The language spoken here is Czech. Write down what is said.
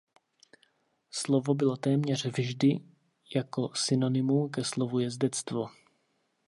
Slovo bylo téměř vždy jako synonymum ke slovu jezdectvo.